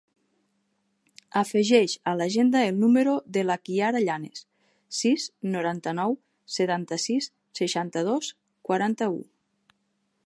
Afegeix a l'agenda el número de la Kiara Llanes: sis, noranta-nou, setanta-sis, seixanta-dos, quaranta-u.